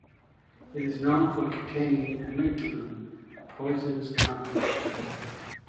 It is known for containing amygdalin, a poisonous compound.